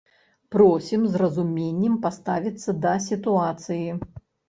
Просім з разуменнем паставіцца да сітуацыі.